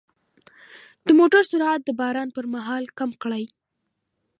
د موټر سرعت د باران پر مهال کم کړئ.